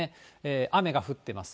雨が降ってます。